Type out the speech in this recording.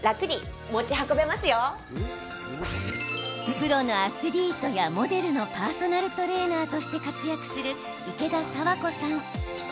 プロのアスリートやモデルのパーソナルトレーナーとして活躍する、池田佐和子さん。